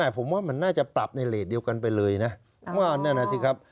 ผมว่ามันน่าจะปรับในเลสเดียวกันไปเลยนะว่านั่นน่ะสิครับ